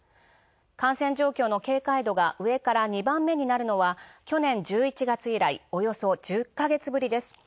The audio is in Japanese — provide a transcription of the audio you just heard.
感染状況の警戒度が上から２番目になるのは去年１１月以来、およそ１０か月ぶりです。